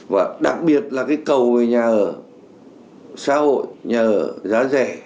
và đặc biệt là cái cầu về nhà ở xã hội nhà ở giá rẻ